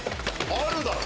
あるだろ！